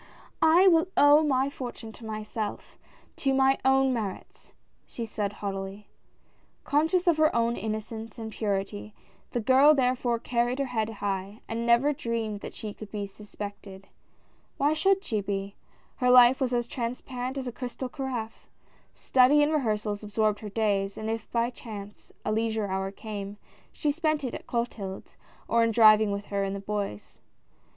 "I will owe my fortune to myself — to my own merits," she said, haughtily. Conscious of her own innocence and purit}", the girl therefore carried her head high, and never dreamed that she could be suspected. Why should she be? Her life was as transparent as a crystal carafe. Study and rehearsals absorbed her days, and if by chance a leism e hour came, she spent it at Clotilde's, or in driving with her in the Bois.